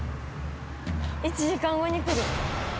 １時間後に来る。